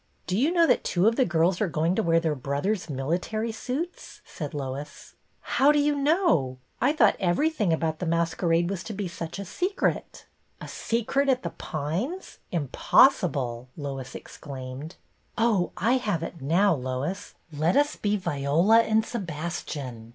" Do you know that two of the girls are going to wear their brothers' military suits.'* " said Lois. "How do you know? I thought every thing about the masquerade was to be such a secret." THE MASQUERADE 241 "A secret at The Pines! Impossible!" Lois exclaimed. " Oh, I have it now, Lois. Let us be Viola and Sebastian.